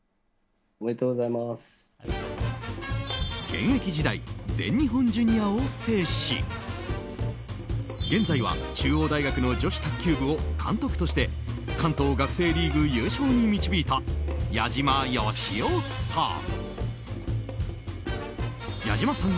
現役時代全日本ジュニアを制し現在は中央大学の女子卓球部の監督として関東学生リーグ優勝に導いた矢島淑雄さん。